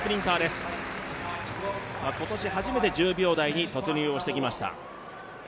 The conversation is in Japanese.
今年初めて１０秒台に突入をしてきました。